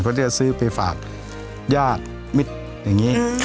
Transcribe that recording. เขาจะซื้อไปฝากยากมิดอย่างงี้